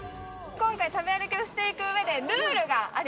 今回食べ歩きをしていくうえでルールがあります